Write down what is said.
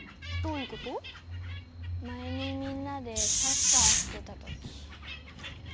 前にみんなでサッカーしてた時。